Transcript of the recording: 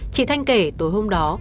chị thanh kể tối hôm đó